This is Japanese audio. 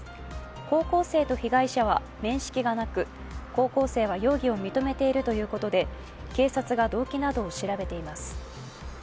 高校生と被害者は面識がなく高校生は容疑を認めているということで警察が動機などを調べています。